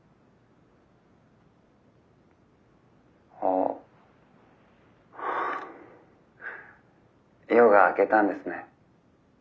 「ああ夜が明けたんですね。